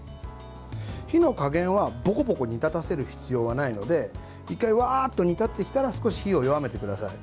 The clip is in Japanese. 火の加減は、ボコボコ煮立たせる必要はないので１回、ワーッと煮立ってきたら少し火を弱めてください。